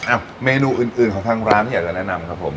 อ่ะเมนูอื่นของทางร้านที่อยากจะแนะนำครับผม